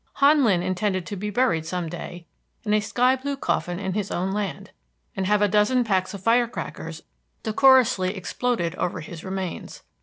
Han Lin intended to be buried some day in a sky blue coffin in his own land, and have a dozen packs of firecrackers decorously exploded over his remains.